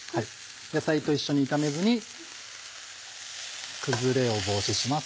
野菜と一緒に炒めずに崩れを防止します。